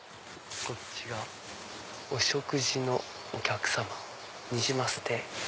こっちが「お食事のお客様『にじます亭』」。